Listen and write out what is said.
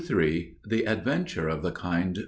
III THE ADVENTURE OF THE KIND MR.